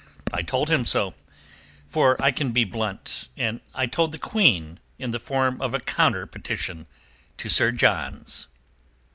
I told him so, for I can be blunt, and I told the Queen in the form of a counter petition to Sir John's."